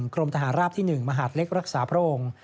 กรมทหารราบที่๑มหาดเล็กรักษาพระองค์